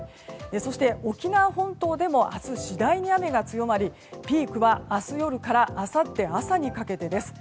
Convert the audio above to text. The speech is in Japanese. そして沖縄本島でも明日、次第に雨が強まりピークは明日夜からあさって朝にかけてです。